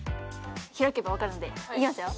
開けばわかるので、いきますよ。